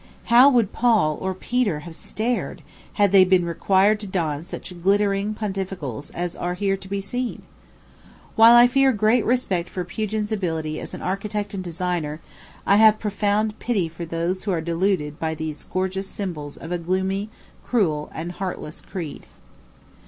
How would Paul or Peter have stared, had they been required to don such glittering pontificals as are here to be seen! While I feel great respect for Pugin's ability as an architect and designer, I have profound pity for those who are deluded by these gorgeous symbols of a gloomy, cruel, and heartless creed.